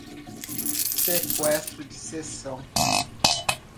Sequestro de sessão